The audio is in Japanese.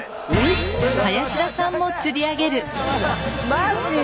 マジで？